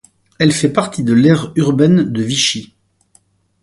Elle fait partie de l'aire urbaine de Vichy.